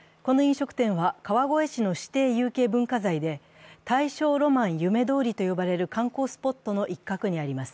この飲食店は川越市の指定有形文化財で、大正浪漫夢通りと呼ばれる観光スポットの一角にあります。